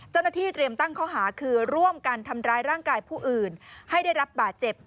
เจ้าหน้าที่เตรียมตั้งข้อหาคือร่วมกันทำร้ายร่างกายผู้อื่นให้ได้รับบาดเจ็บ